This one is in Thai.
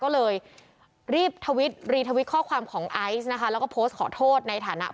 ก็เลยรีบทวิตรีทวิตข้อความของไอซ์นะคะแล้วก็โพสต์ขอโทษในฐานะ